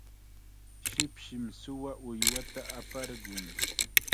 shipshim suwa uywata aparqun.